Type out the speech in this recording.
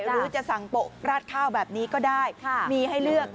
หรือจะสั่งโปะราดข้าวแบบนี้ก็ได้มีให้เลือก